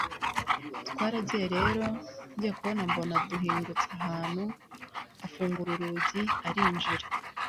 twaragiye rero, ngiye kubona mbona duhingutse ahantu afungura urugi arinjira